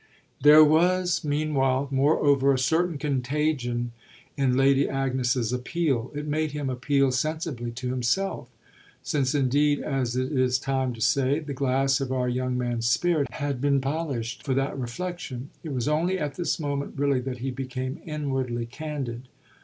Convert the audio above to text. There was meanwhile, moreover, a certain contagion in Lady Agnes's appeal it made him appeal sensibly to himself, since indeed, as it is time to say, the glass of our young man's spirit had been polished for that reflexion. It was only at this moment really that he became inwardly candid.